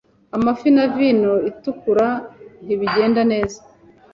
Amafi na vino itukura ntibigenda neza.